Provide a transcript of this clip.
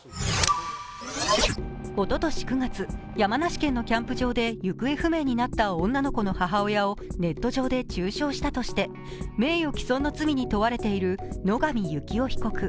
おととし９月、山梨県のキャンプ場で行方不明になった女の子の母親をネット上で中傷したとして名誉毀損の罪に問われている野上幸雄被告。